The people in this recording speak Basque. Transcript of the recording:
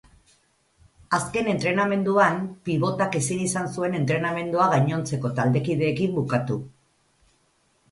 Azken entrenamenduan pibotak ezin izan zuen entrenamendua gainontzeko taldekideekin bukatu.